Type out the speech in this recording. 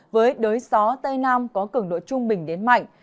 với đới gió tây nam có cường độ trung bình đến mạnh